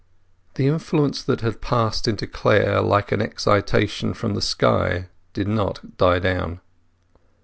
The influence that had passed into Clare like an excitation from the sky did not die down.